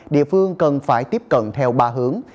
địa phương cần phải tiếp cận theo ba hướng